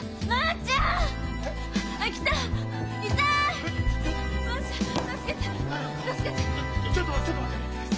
ちょっとちょっと待ってね！